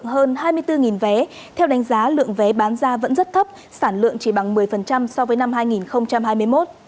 hơn hai mươi bốn vé theo đánh giá lượng vé bán ra vẫn rất thấp sản lượng chỉ bằng một mươi so với năm hai nghìn hai mươi một